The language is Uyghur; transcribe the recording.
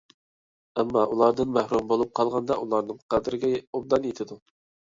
ئەمما، ئۇلاردىن مەھرۇم بولۇپ قالغاندا ئۇلارنىڭ قەدرىگە ئوبدان يېتىدۇ.